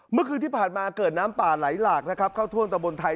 เมื่อคืนที่ผ่านมาเกิดน้ำป่าไหลหลากนะครับเข้าท่วมตะบนไทย